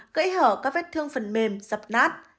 gãy hở các vết thương phần mềm dập nát